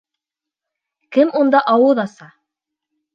Кем унда ауыҙ аса?